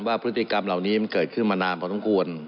ว่าพฤติกรรมเหล่านี้มันเกิดขึ้นมานานพอสมควร